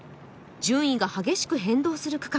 順位が激しく変動する区間。